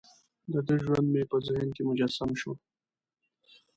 دده ژوند مې په ذهن کې مجسم شو.